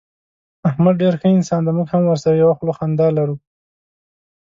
احمد ډېر ښه انسان دی. موږ هم ورسره یوه خوله خندا لرو.